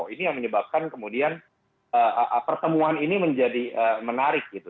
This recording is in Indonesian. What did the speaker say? ini yang menyebabkan kemudian pertemuan ini menjadi menarik gitu